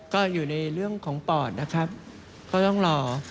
ก็อยู่ในเรื่องของปอดนะครับก็ต้องรอ